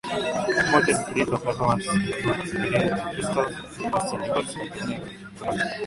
Modern Breton performers include Myrdhin, An Triskell, Kristen Nogues and Dominig Bouchaud.